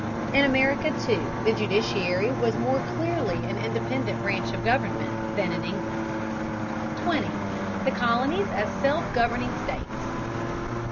In America, too, the judiciary was more clearly an independent branch of government than in England. 20. THE COLONIES AS SELF GOVERNING STATES.